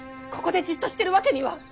ここでじっとしてるわけには。